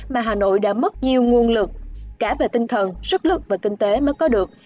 mà hà nội đã mất nhiều nguồn lực cả về tinh thần sức lực và kinh tế mới có được